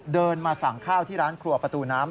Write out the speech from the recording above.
เดินมาสั่งข้าวที่ร้านครัวประตูน้ำ